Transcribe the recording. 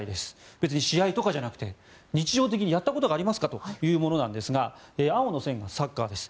別に試合とかじゃなくて日常的にやったことがありますかというものですが青の線がサッカーです。